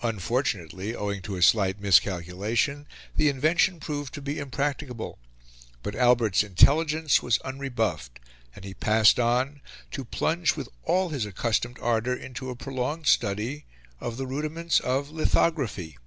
Unfortunately, owing to a slight miscalculation, the invention proved to be impracticable; but Albert's intelligence was unrebuffed, and he passed on, to plunge with all his accustomed ardour into a prolonged study of the rudiments of lithography.